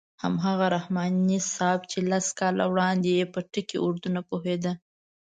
هماغه رحماني صاحب چې لس کاله وړاندې په ټکي اردو نه پوهېده.